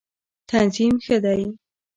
تنظیم ښه دی.